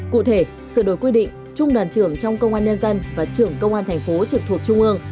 cụ thể sửa đổi quy định trung đoàn trưởng trong công an nhân dân và trưởng công an thành phố trực thuộc trung ương